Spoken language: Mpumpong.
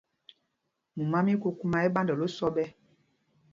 Mumá mí kukumá ɛ́ ɛ́ ɓandɛl osɔ ɓɛ́.